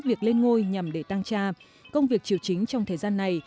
việc lên ngôi nhằm để tăng cha công việc chiều chính trong thời gian này